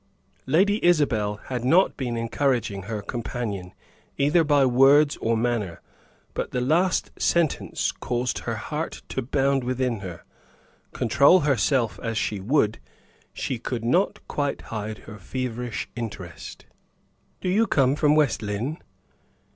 Lady Isabel had not been encouraging her companion, either by words or manner, but the last sentence caused her heart to bound within her. Control herself as she would, she could not quite hide her feverish interest. "Do you come from West Lynne?"